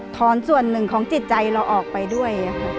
ส่วนหนึ่งของจิตใจเราออกไปด้วย